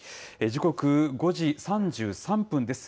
時刻５時３３分です。